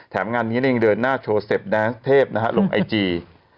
แถมงานนี้ยังเดินหน้าโชซิปน้าเทพนะฮะลงไอจี